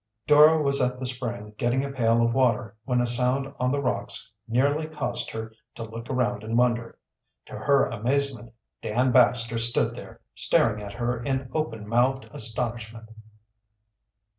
Dora was at the spring getting a pail of water when a sound on the rocks nearby caused her to look around in wonder. To her amazement Dan Baxter stood there, staring at her in open mouthed astonishment.